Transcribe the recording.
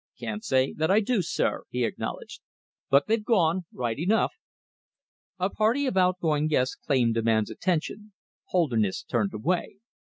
"Can't say that I do, sir," he acknowledged, "but they've gone right enough." A party of outgoing guests claimed the man's attention. Holderness turned away.